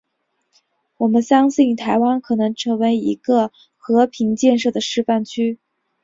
我们相信台湾可能成为一个和平建设的示范区。